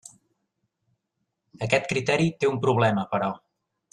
Aquest criteri té un problema, però.